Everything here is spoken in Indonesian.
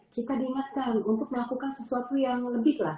kita diingatkan untuk melakukan sesuatu yang lebih lah